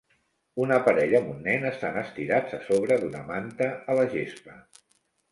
Una parella amb un nen estan estirats a sobre d'una manta a la gespa.